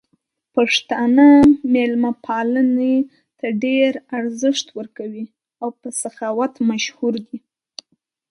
پښتانه مېلمه پالنې ته ډېر ارزښت ورکوي او په سخاوت مشهور دي.